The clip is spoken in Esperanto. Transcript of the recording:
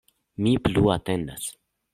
Mi plu atendas.